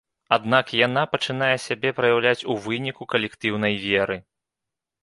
Аднак яна пачынае сябе праяўляць ў выніку калектыўнай веры.